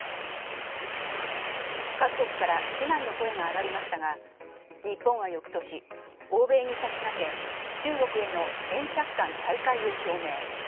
各国から非難の声が上がりましたが、日本は翌年、欧米に先駆け、中国への円借款再開を表明。